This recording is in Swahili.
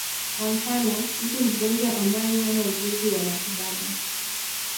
Kwa mfano, mtu mgonjwa ambaye hana ujuzi wa matibabu.